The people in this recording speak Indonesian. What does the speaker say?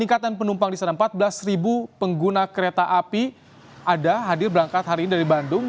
peningkatan penumpang di sana empat belas pengguna kereta api ada hadir berangkat hari ini dari bandung